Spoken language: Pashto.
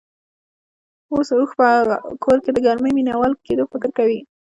اوښ په کور کې د ګرمۍ مينه وال کېدو فکر کوي.